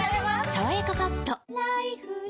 「さわやかパッド」